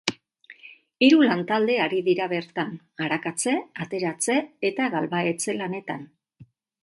Hiru lantalde ari dira bertan, arakatze, ateratze eta galbahetze lanetan.